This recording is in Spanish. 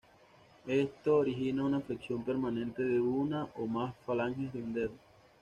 Esto origina una flexión permanente de una o más falanges de un dedo.